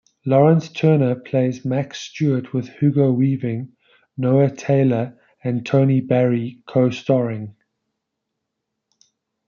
Lawrence Turner plays Max Stuart with Hugo Weaving, Noah Taylor and Tony Barry co-starring.